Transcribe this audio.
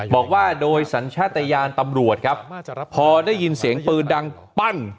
บอกว่าโดยสัญชาติยานตำรวจครับพอได้ยินเสียงปืนดังปั้ง